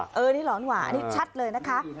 อันนี้หลอนหว่าอันนี้ชัดเลยนะคะ